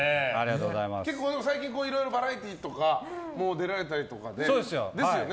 最近いろいろバラエティーとかも出られたりとか、ですよね。